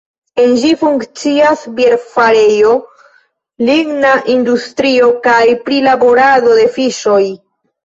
En ĝi funkcias bierfarejo, ligna industrio kaj prilaborado de fiŝoj.